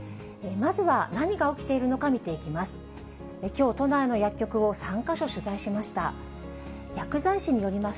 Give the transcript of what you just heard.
まずは何が起きているのか見ていきます。